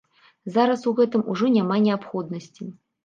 Зараз у гэтым ужо няма неабходнасці.